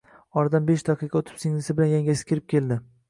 Oradan besh daqiqa oʻtib, singlisi bilan yangasi kirib keldi